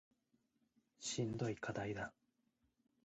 しんどい課題だ